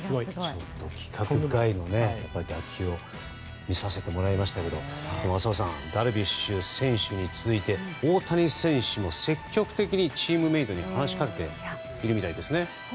ちょっと規格外の打球を見させてもらいましたが浅尾さんダルビッシュ選手に続いて大谷選手も積極的にチームメートに話しかけているみたいですね。